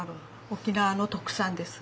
沖縄の特産です。